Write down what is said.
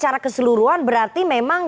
secara keseluruhan berarti memang